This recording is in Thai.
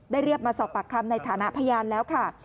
เรียกมาสอบปากคำในฐานะพยานแล้วค่ะ